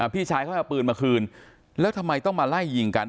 พี่ชายเขาจะเอาปืนมาคืนแล้วทำไมต้องมาไล่ยิงกัน